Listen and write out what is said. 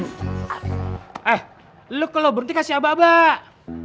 eh lu kalau berhenti kasih abang abang